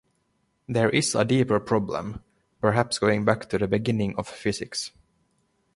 There is a deeper problem, perhaps going back to the beginning of physics.